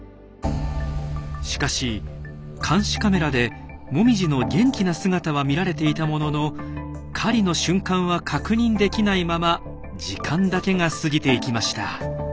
しかし監視カメラでもみじの元気な姿は見られていたものの狩りの瞬間は確認できないまま時間だけが過ぎていきました。